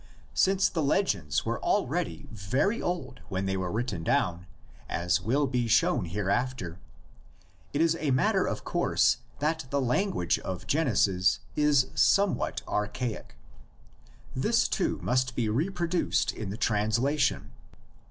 Since the legends were already very old when they were written down, as will be shown here after, it is a matter of course that the language of Genesis is somewhat archaic; this too must be reproduced in the translation.